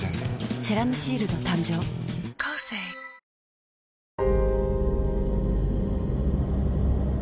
「セラムシールド」誕生あっ！